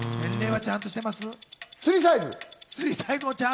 ちゃんとしてます。